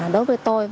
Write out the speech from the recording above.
đối với tôi